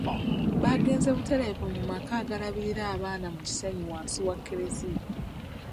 Bagenze butereevu mu maka agalabirira abaana mu Kisenyi wansi wa Kereziya.